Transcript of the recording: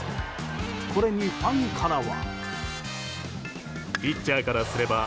これに、ファンからは。